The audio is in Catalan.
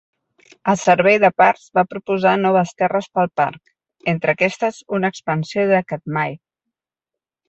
El Servei de Parcs va proposar noves terres per al parc, entre aquestes una expansió de Katmai.